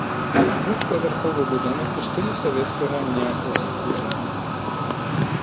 Двухпавярховы будынак у стылі савецкага неакласіцызму.